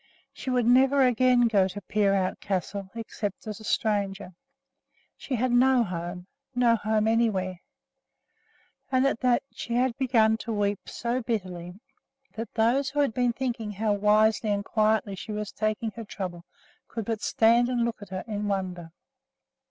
She would never again go to Peerout Castle except as a stranger. She had no home no home anywhere. And at that she had begun to weep so bitterly that those who had been thinking how wisely and quietly she was taking her trouble could but stand and look at her in wonder.